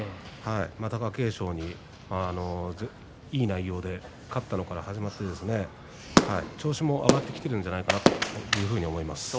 貴景勝にいい内容で勝ったのから始まって調子も上がってきているんじゃないかなと思います。